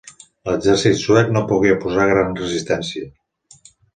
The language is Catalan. L'exèrcit suec no pogué oposar gran resistència.